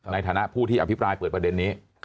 ในฐานะผู้ที่อภิปรายเปิดประเด็นนี้